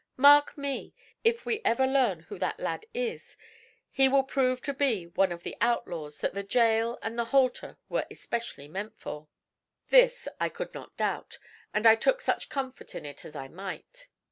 Mark me! if we ever learn who that lad is, he will prove to be one of the outlaws that the gaol and the halter were especially meant for.' This I could not doubt, and I took such comfort in it as I might.